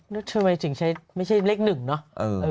แล้วทำไมจึงไม่ใช่เลข๑เนาะ